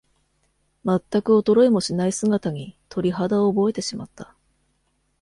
まったく衰えもしない姿に、鳥肌を覚えてしまった。